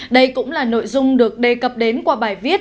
đây cũng là nội dung được đề cập đến qua bài viết